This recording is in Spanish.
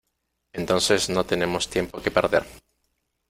Entonces no tenemos tiempo que perder.